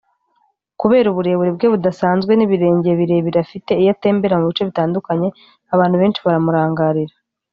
Kubera uburebure bwe budasanzwe n’ibirenge birebire afite iyo atembera mu bice bitandukanye abantu benshi baramurangarira